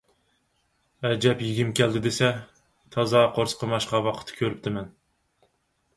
ئەجەب يېگۈم كەلدى دېسە! تازا قورسىقىم ئاچقان ۋاقىتتا كۆرۈپتىمەن.